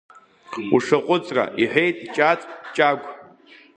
Ушаҟәыҵра, — иҳәеит Чаҵә Чагә.